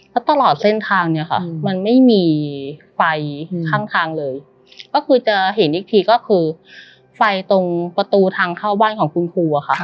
แล้วตลอดเส้นทางเนี่ยค่ะมันไม่มีไฟข้างทางเลยก็คือจะเห็นอีกทีก็คือไฟตรงประตูทางเข้าบ้านของคุณครูอะค่ะ